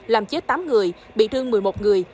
làm chết tám người bị thương một mươi một người